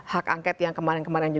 hak angket yang kemarin kemarin